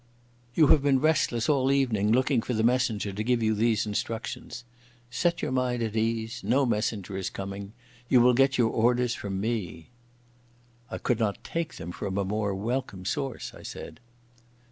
"You have been restless all evening looking for the messenger to give you these instructions. Set your mind at ease. No messenger is coming. You will get your orders from me." "I could not take them from a more welcome source," I said.